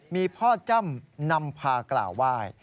มีพ่อจำนำพากล่าวว่าย